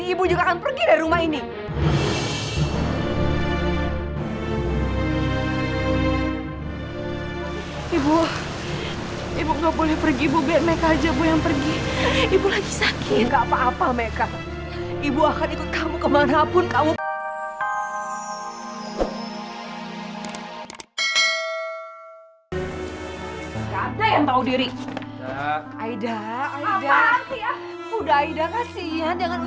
ibu akan ikut kamu kemana pun kamu